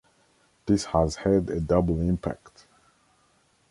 This has had a double impact.